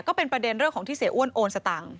ก็เป็นประเด็นเรื่องของที่เสียอ้วนโอนสตังค์